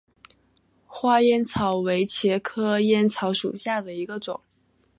花烟草为茄科烟草属下的一个种。